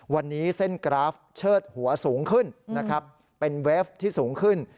วันนี้เส้นกราฟเชิดหัวสูงขึ้นนะครับเป็นเวฟที่สูงขึ้น